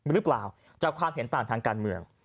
หรือเปล่าจากความเห็นต่างทางการเมือง